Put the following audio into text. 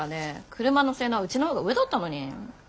車の性能はうちのほうが上だったのに。